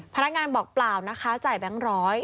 พนักงานบอกเปล่านะคะจ่ายแบงค์ร้อย